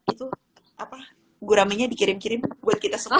itu guramenya dikirim kirim buat kita semua